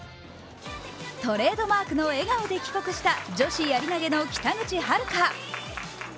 トレードマークの笑顔で帰国した女子やり投げの北口榛花。